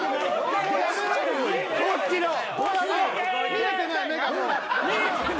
見えてない目がもう。